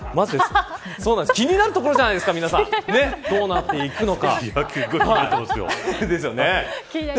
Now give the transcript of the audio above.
気になるところじゃないですか皆さんどうなっていくのか。